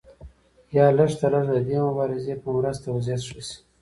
یا لږترلږه د دې مبارزې په مرسته وضعیت ښه شي.